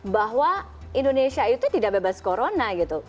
bahwa indonesia itu tidak bebas corona gitu